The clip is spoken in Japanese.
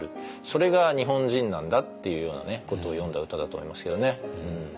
それが日本人なんだっていうようなことを詠んだ歌だと思いますけどね。